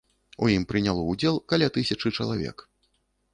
У ім прыняло удзел каля тысячы чалавек.